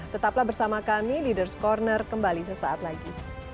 tetaplah bersama kami di the first corner kembali sesaat lagi